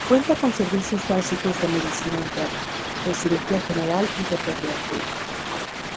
Cuenta con servicios básicos de Medicina Interna, de Cirugía general y de Pediatría.